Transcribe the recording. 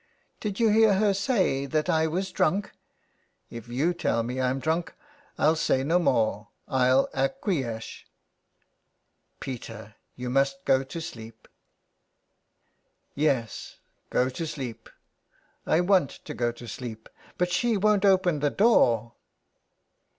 "'' Did you hear her say that I was drunk. If you tell me Pm drunk I'll say no more. I'll acquie esh." " Peter, you must go to sleep." '' Yes, go to sleep. ... I want to go to sleep, but she won't open the door."